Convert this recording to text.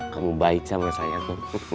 kamu baik sama saya tuh